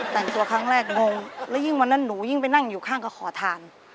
แต่งตัวครั้งแรกงงแล้วยิ่งวันนั้นหนูยิ่งไปนั่งอยู่ข้างก็ขอทาน